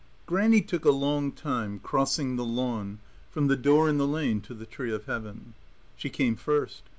II Grannie took a long time crossing the lawn from the door in the lane to the tree of Heaven. She came first.